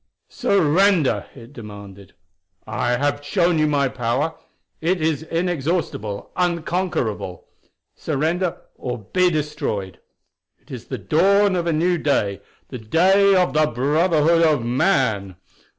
"Surrender!" it demanded; "I have shown you my power; it is inexhaustible, unconquerable. Surrender or be destroyed; it is the dawn of a new day, the day of the Brotherhood of Man.